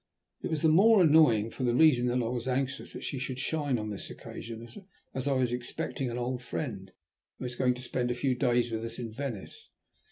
It was the more annoying for the reason that I was anxious that she should shine on this occasion, as I was expecting an old friend, who was going to spend a few days with us in Venice.